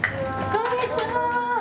こんにちは。